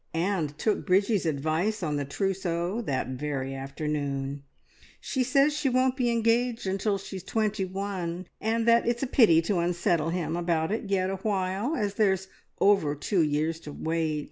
and took Bridgie's advice on the trousseau that very afternoon. She says she won't be engaged until she is twenty one, and that it's a pity to unsettle him about it yet awhile, as there's over two years to wait.